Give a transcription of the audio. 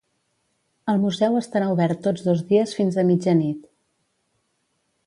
El museu estarà obert tots dos dies fins a mitjanit.